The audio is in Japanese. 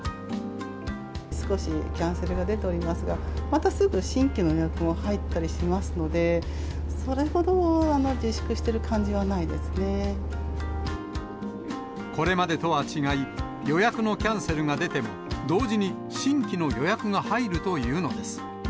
少しキャンセルが出ておりますが、またすぐ新規の予約が入ったりしますので、それほど、自粛していこれまでとは違い、予約のキャンセルが出ても、同時に新規の予約が入るというのです。